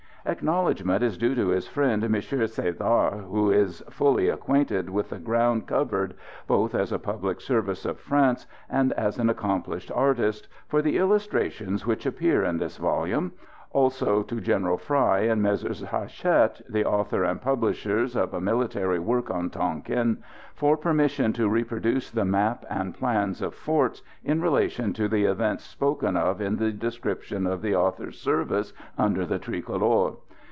Acknowledgment is due to his friend, M. Cézard, who is fully acquainted with the ground covered, both as a public servant of France and as an accomplished artist, for the illustrations which appear in this volume; also to General Frey and Messrs Hachette, the author and publishers of a military work on Tonquin, for permission to reproduce the map and plans of forts, in relation to the events spoken of in the description of the author's service under the Tricolor.